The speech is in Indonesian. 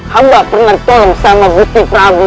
hamba pernah ditolong sama gusti brabu